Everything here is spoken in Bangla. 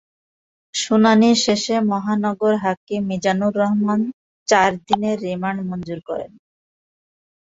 শুনানি শেষে মহানগর হাকিম মিজানুর রহমান চার দিনের রিমান্ড মঞ্জুর করেন।